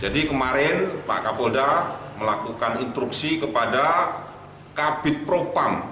jadi kemarin pak kapolda melakukan instruksi kepada kabit propamp